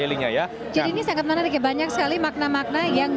yang berbeda beda dan juga penyedut jadi ini sangat menarik banyak sekali makna makna yang